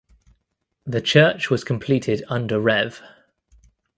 The church was completed under Rev.